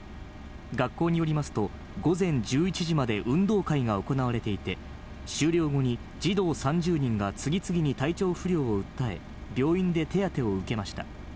学校によりますと、午前１１時まで運動会が行われていて、終了後に児童３０人が次々に体調不良を訴え、病院で手当てを受けました。